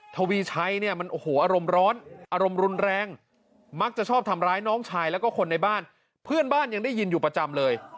ทวีชัยเนี่ยมันโอ้โหอารมณ์ร้อนอารมณ์รุนแรงมักจะชอบทำร้ายน้องชายแล้วก็คนในบ้านเพื่อนบ้านยังได้ยินอยู่ประจำเลย